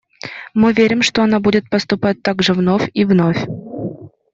Мы верим, что она будет поступать так же вновь и вновь.